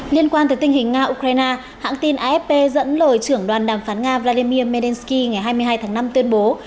liên quan tới tình hình nga ukraine hãng tin afp dẫn lời trưởng đoàn đàm phán nga vladimir melsky ngày hai mươi hai tháng năm tuyên bố